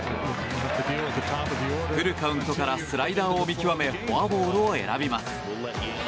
フルカウントからスライダーを見極めフォアボールを選びます。